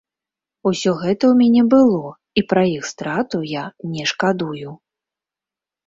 Усё гэта ў мяне было і пра іх страту я не шкадую.